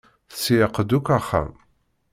Tseyyeq-d akk axxam.